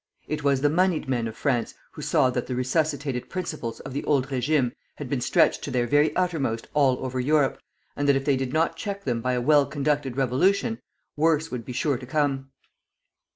It was the moneyed men of France who saw that the resuscitated principles of the old régime had been stretched to their very uttermost all over Europe, and that if they did not check them by a well conducted revolution, worse would be sure to come.